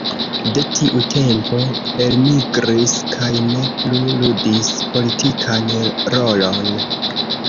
De tiu tempo elmigris kaj ne plu ludis politikan rolon.